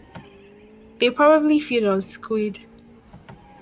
They probably feed on squid.